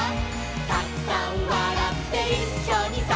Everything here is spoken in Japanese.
「たくさんわらっていっしょにさ」